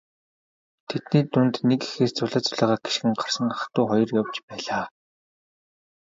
Тэдний дунд нэг эхээс зулай зулайгаа гишгэн гарсан ах дүү хоёр явж байлаа.